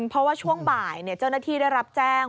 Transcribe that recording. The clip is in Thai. เพราะว่าช่วงบ่ายเจ้าหน้าที่ได้รับแจ้ง